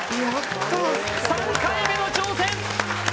３回目の挑戦